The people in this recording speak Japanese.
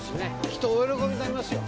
きっとお喜びになりますよ。